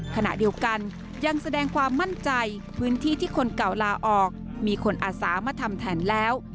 ขณะเดียวกันยังแสดงความมั่นใจพื้นที่ที่คนเก่าลาออกมีคนอาสามาทำแทนแล้ว